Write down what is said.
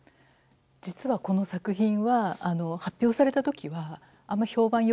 実はこの作品は発表された時はあんま評判よくなかったんですね。